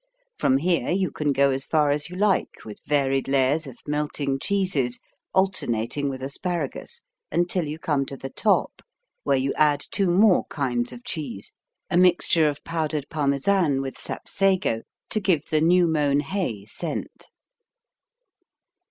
From here you can go as far as you like with varied layers of melting cheeses alternating with asparagus, until you come to the top, where you add two more kinds of cheese, a mixture of powdered Parmesan with Sapsago to give the new mown hay scent.